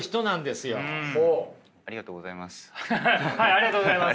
ありがとうございます。